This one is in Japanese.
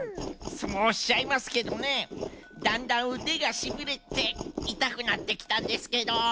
そうおっしゃいますけどねだんだんうでがしびれていたくなってきたんですけど。